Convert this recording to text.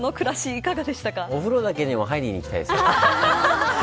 お風呂だけにも入りに行きたいです。